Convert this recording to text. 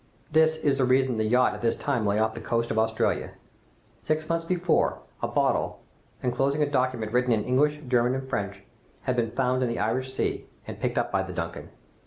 "This is the reason the yacht at this time lay off the coast of Australia. Six months before, a bottle, enclosing a document written in English, German, and French, had been found in the Irish Sea, and picked up by the 'Duncan.